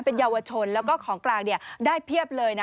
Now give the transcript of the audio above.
เป็นเยาวชนแล้วก็ของกลางได้เพียบเลย